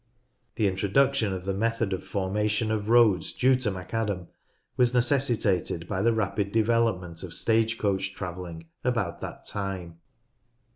The introduction of the method of formation of roads due to McAdam was necessitated by the rapid development of stage coach travelling about that time.